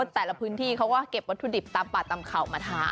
แต่ละพื้นที่เขาก็เก็บวัตถุดิบตามป่าตามเข่ามาทาน